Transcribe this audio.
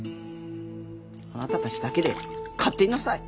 あなたたちだけで勝手になさい。